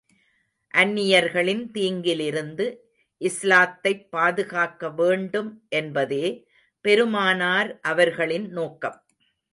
அந்நியர்களின் தீங்கிலிருந்து இஸ்லாத்தைப் பாதுகாக்க வேண்டும் என்பதே பெருமானார் அவர்களின் நோக்கம்.